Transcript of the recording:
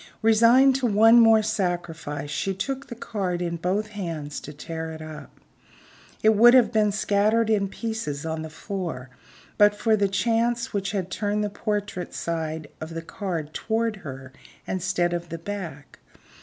Resigned to one more sacrifice, she took the card in both hands to tear it up. It would have been scattered in pieces on the floor, but for the chance which had turned the portrait side of the card toward her instead of the back.